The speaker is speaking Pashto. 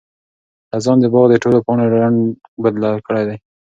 خزان د باغ د ټولو پاڼو رنګ بدل کړی دی.